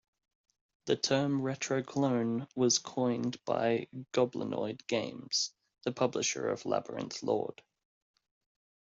The term "retro-clone" was coined by Goblinoid Games, the publisher of Labyrinth Lord.